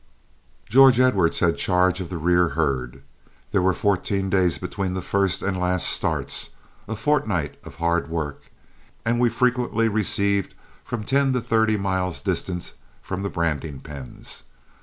George Edwards had charge of the rear herd. There were fourteen days between the first and the last starts, a fortnight of hard work, and we frequently received from ten to thirty miles distant from the branding pens.